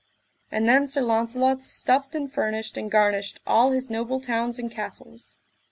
And then Sir Launcelot stuffed and furnished and garnished all his noble towns and castles.